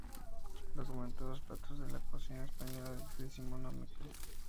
Documentó los platos de la cocina española decimonónica.